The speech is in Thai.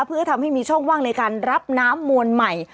เพื่อทำให้มีช่องว่างในการรับน้ำมวลใหม่